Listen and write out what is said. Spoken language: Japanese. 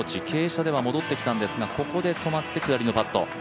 傾斜では戻ってきたんですが、ここで止まって戻りのパット。